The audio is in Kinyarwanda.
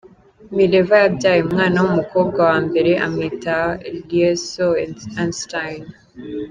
Mileva yabyaye umwana w'umukobwa wambere amwita Liesel Einstein.